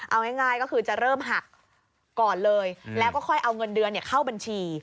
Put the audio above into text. เอาง่ายก็คือจะเริ่มหักก่อนเลยแล้วก็ค่อยเอาเงินเดือนเข้าบัญชี